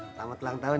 selamat ulang tahun